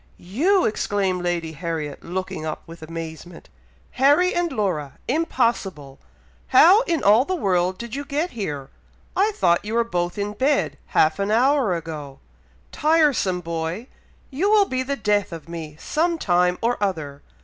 "You!!!" exclaimed Lady Harriet, looking up with amazement. "Harry and Laura!! impossible! how in all the world did you get here? I thought you were both in bed half an hour ago! Tiresome boy! you will be the death of me some time or other!